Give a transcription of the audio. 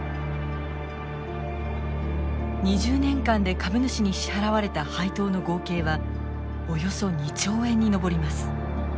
２０年間で株主に支払われた配当の合計はおよそ２兆円に上ります。